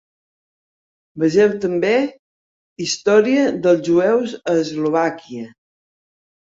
Vegeu també "Història dels jueus a Eslovàquia".